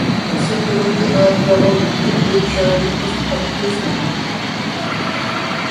Recientemente ha actuado en "Good Luck Charlie, It's Christmas!